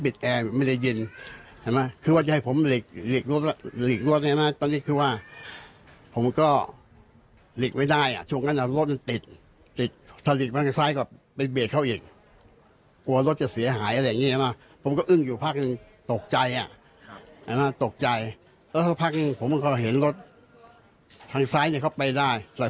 ผู้หญิงเค้ามาบอกเค้ากระจกเราตอนนั้นเรายินได้ไหม